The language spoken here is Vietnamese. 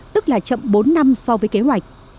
tức là chậm bốn năm so với kế hoạch